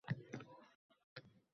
U O‘zbekistonda katta bo‘lgan.